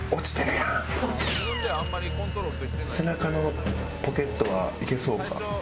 背中のポケットはいけそうか？